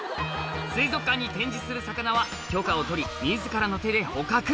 水族館に展示する魚は許可を取り自らの手で捕獲